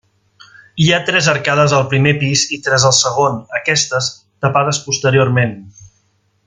Hi ha tres arcades al primer pis i tres al segon, aquestes tapades posteriorment.